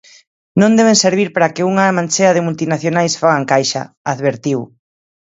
"Non deben servir para que unha manchea de multinacionais fagan caixa", advertiu.